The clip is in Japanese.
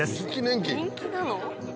人気なの？